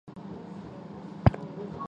庙内有一尊清治时期的土地婆像。